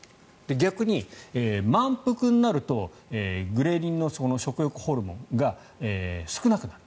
逆に、満腹になるとグレリンの食欲ホルモンが少なくなる。